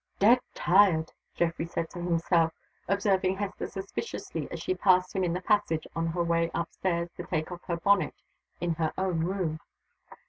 "Dead tired!" Geoffrey said to himself, observing Hester suspiciously as she passed him in the passage on her way up stairs to take off her bonnet in her own room.